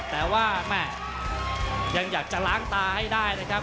แต่ว่าแม่ยังอยากจะล้างตาให้ได้นะครับ